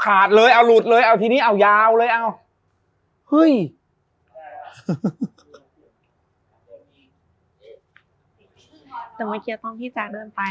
ขอขยับเวลาเริ่มเร็วหน่อยนะครับประนักโมง๔๓๐นมาแล้วนะ